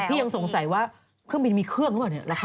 ยังสงสัยว่าเครื่องบินมีเครื่องหรือเปล่าเนี่ย